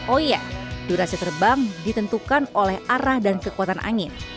oh iya durasi terbang ditentukan oleh arah dan kekuatan angin